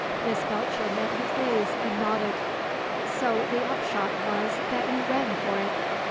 Miss Belcher met his gaze and nodded. "So the upshot was that you ran for it?